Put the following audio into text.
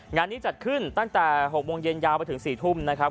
งานนี้จัดขึ้นตั้งแต่๖โมงเย็นยาวไปถึง๔ทุ่มนะครับ